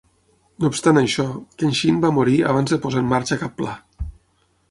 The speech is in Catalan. No obstant això, Kenshin va morir abans de posar en marxa cap pla.